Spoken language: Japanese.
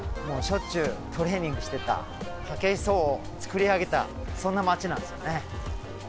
もうしょっちゅうトレーニングしてた武井壮をつくり上げたそんな町なんですよね。